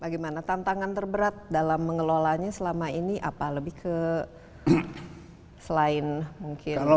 bagaimana tantangan terberat dalam mengelolanya selama ini apa lebih ke selain mungkin